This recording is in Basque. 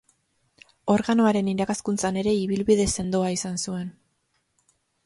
Organoaren irakaskuntzan ere ibilbide sendoa izan zuen.